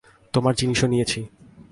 তোমার জিনিসও নিয়েছি।